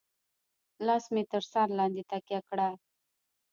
لاس مې تر سر لاندې تکيه کړه.